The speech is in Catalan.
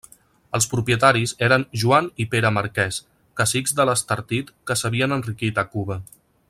Els propietaris eren Joan i Pere Marquès, cacics de l'Estartit que s'havien enriquit a Cuba.